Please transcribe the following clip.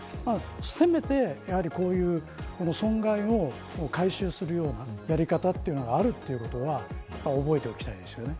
せめて、こういった損害を回収するようなやり方があるということは覚えておきたいですね。